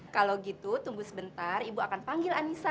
kalau gitu tunggu sebentar ibu akan panggil anissa